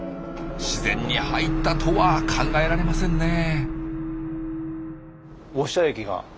自然に入ったとは考えられませんねえ。